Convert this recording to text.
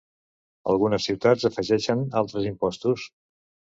Algunes ciutats afegeixen altres impostos.